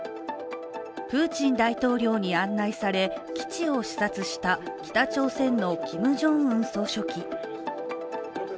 プーチン大統領に案内され、基地を視察した北朝鮮のキム・ジョンウン総書記。